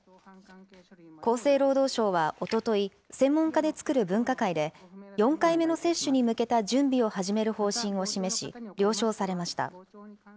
厚生労働省はおととい、専門家で作る分科会で、４回目の接種に向けた準備を始める方針を示し、了承されました。